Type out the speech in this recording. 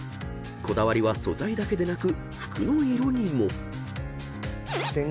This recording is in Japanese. ［こだわりは素材だけでなく服の色にも］